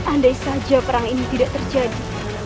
andai saja perang ini tidak terjadi